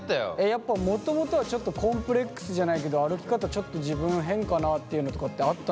やっぱもともとはちょっとコンプレックスじゃないけど歩き方ちょっと自分変かなっていうのとかってあったの？